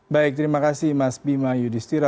baik terima kasih mas bima yudhistira